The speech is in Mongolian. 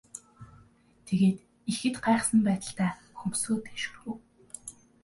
Тэгээд ихэд гайхсан байдалтай хөмсгөө дээш өргөв.